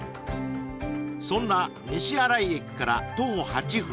そんな西新井駅から徒歩８分